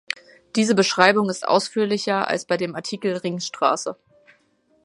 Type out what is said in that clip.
Diese Beschreibung ist ausführlicher als bei dem Artikel Ringstraße.